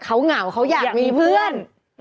เขาเหงาเขาอยากมีเพื่อน